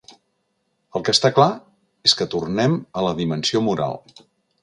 El que està clar és que tornem a la dimensió moral.